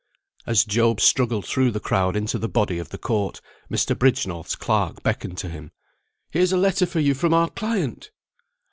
As Job struggled through the crowd into the body of the court, Mr. Bridgenorth's clerk beckoned to him. "Here's a letter for you from our client!"